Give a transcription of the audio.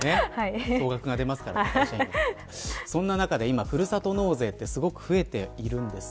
そんな中で、ふるさと納税は今、すごく増えているんです。